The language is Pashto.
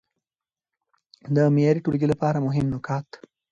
د معياري ټولګي لپاره مهم نقاط: